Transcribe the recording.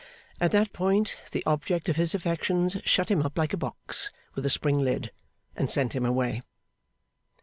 At that point the object of his affections shut him up like a box with a spring lid, and sent him away.